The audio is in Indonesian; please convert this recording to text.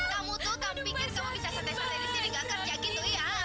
kamu tuh kau pikir semua bisa santai santai di sini gak kerja gitu ya